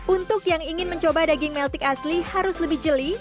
untuk yang ingin mencoba daging meltik asli harus lebih jeli